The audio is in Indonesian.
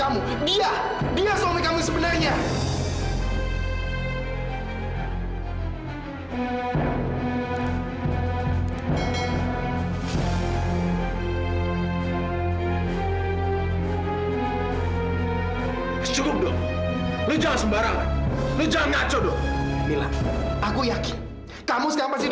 aku bukan fadil yang baik